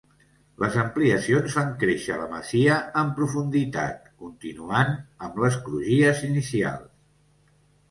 Les ampliacions fan créixer la masia en profunditat, continuant amb les crugies inicials.